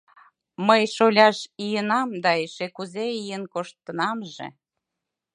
Мый, шоляш, ийынам, да эше кузе ийын коштынамже!